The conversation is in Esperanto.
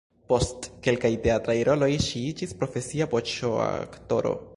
Post kelkaj teatraj roloj ŝi iĝis profesia voĉoaktoro.